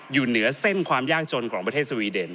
อยู่เหนือเส้นความยากจนของประเทศสวีเดน